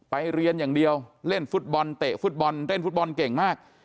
เรียนอย่างเดียวเล่นฟุตบอลเตะฟุตบอลเล่นฟุตบอลเก่งมาก